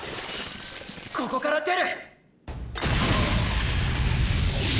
ここから出る！